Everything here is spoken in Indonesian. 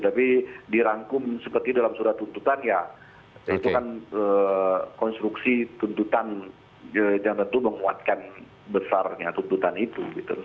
tapi dirangkum seperti dalam surat tuntutan ya itu kan konstruksi tuntutan yang tentu menguatkan besarnya tuntutan itu